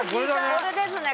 これですね